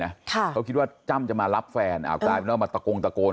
ตั้งอยู่ที่บ้านเลยนะเขาคิดว่าจ้ำจะมารับแฟนอาจารย์ไม่ต้องมาตะโกงตะโกน